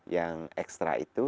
yang ekstra itu